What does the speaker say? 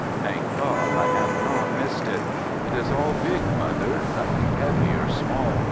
Thank God, I have not missed it! It is all big, mother, nothing petty or small.